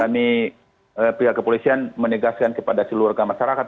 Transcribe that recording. kami pihak kepolisian menegaskan kepada seluruh masyarakat